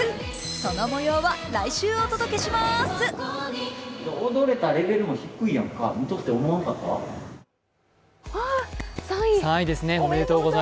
その模様は来週お届けします。